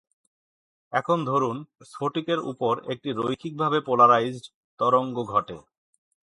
এখন ধরুন, স্ফটিকের উপর একটি রৈখিকভাবে পোলারাইজড তরঙ্গ ঘটে।